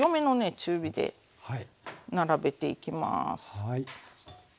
中火で並べていきます。